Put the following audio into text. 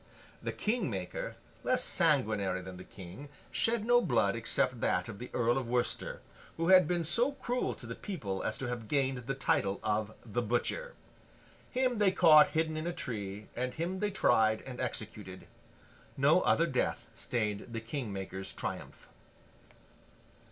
The King Maker, less sanguinary than the King, shed no blood except that of the Earl of Worcester, who had been so cruel to the people as to have gained the title of the Butcher. Him they caught hidden in a tree, and him they tried and executed. No other death stained the King Maker's triumph.